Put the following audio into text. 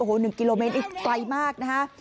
โอ้โห๑กิโลเมตรนี่ไกลมากนะฮะ